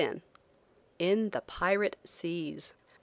IN THE PIRATE SEAS.